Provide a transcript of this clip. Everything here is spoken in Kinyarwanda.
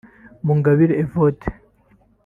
Mugabire Evode